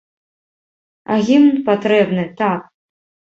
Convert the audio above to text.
А гімн патрэбны, так.